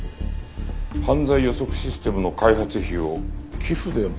犯罪予測システムの開発費を寄付で賄っていた。